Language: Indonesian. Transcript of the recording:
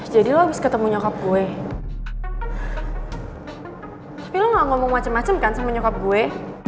jadi lo abis ketemu nyokap gue tapi lo gak ngomong macem macem kan sama nyokap gue